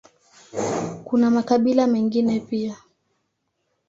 Kuna makabila mengine pia.